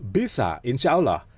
bisa insya allah